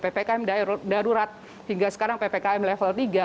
sejak kemudian ada ppkm darurat hingga sekarang ppkm level tiga